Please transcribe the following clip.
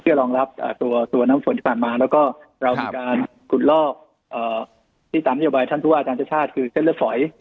รองรับตัวน้ำฝนที่ผ่านมาแล้วก็เรามีการขุดลอกที่ตามนโยบายท่านผู้ว่าอาจารย์ชาติชาติคือเส้นเลือดฝอย